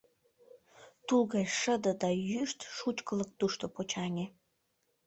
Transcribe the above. Тул гай шыде да йӱштӧ шучкылык тушто почаҥе.